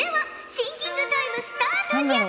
シンキングタイムスタートじゃ！